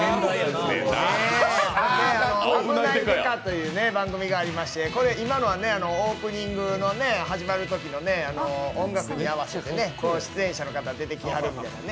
「あぶない刑事」という番組がありまして今のはオープニングの始まるときの音楽に合わせて出演者の方が出てきはるみたいなね。